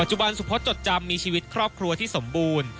จุบันสุพศจดจำมีชีวิตครอบครัวที่สมบูรณ์